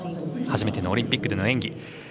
初めてのオリンピックでの演技。